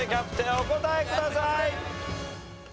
お答えください。